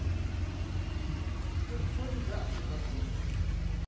ЦӀыху псоми жаӀэр фи фӀэщ фымыщӀ!